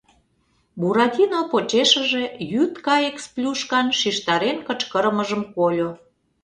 Буратино почешыже йӱд кайык Сплюшкан шижтарен кычкырымыжым кольо: